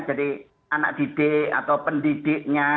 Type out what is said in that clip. jadi anak didik atau pendidiknya